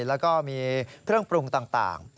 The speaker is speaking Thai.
แล้วก็มีเครื่องปรุงต่าง